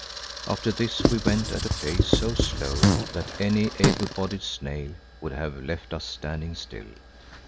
After this we went at a pace so slow that any able bodied snail would have left us standing still.